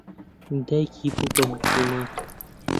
دایکی بوو بە موسڵمان.